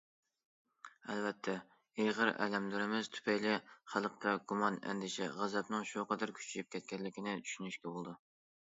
ئەلۋەتتە، ئېغىر ئەلەملىرىمىز تۈپەيلى، خەلقتە گۇمان، ئەندىشە، غەزەپنىڭ شۇ قەدەر كۈچىيىپ كەتكەنلىكىنى چۈشىنىشكە بولىدۇ.